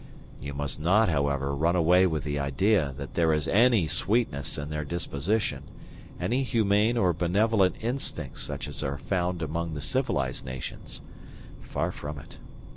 You must not, however, run away with the idea that there is any sweetness in their disposition, any humane or benevolent instincts such as are found among the civilized nations: far from it.